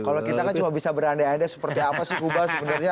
kalau kita kan cuma bisa berandai andai seperti apa sih kuba sebenarnya